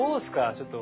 ちょっと。